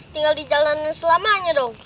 tinggal di jalan selamanya dong